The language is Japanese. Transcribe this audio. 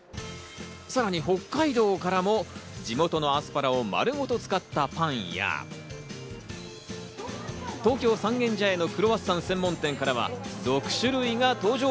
さらに北海道からも地元のアスパラを丸ごと使ったパンや、東京・三軒茶屋のクロワッサン専門店からは６種類が登場。